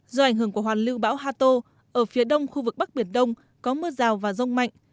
do ảnh hưởng của hoàn lưu bão hato ở phía đông khu vực bắc biển đông có mưa rào và rông mạnh